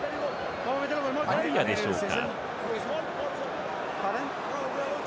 マリアでしょうか。